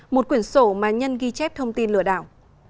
một quyển sổ mà nhân ghi chép thông tin lừa đảo